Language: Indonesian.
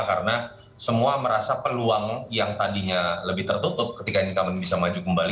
karena semua merasa peluang yang tadinya lebih tertutup ketika incumbent bisa maju kembali